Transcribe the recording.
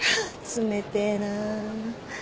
冷てえなぁ。